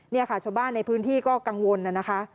นี่ค่ะชาวบ้านในพื้นที่ก็กังวลนะคะ